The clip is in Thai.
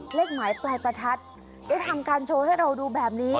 เลขหมายปลายประทัดได้ทำการโชว์ให้เราดูแบบนี้